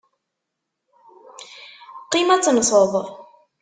Qqim ad tenseḍ.